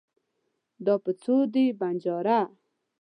دا په څو دی ؟ بنجاره